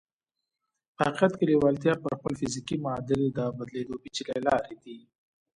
په حقیقت کې لېوالتیا پر خپل فزیکي معادل د بدلېدو پېچلې لارې لري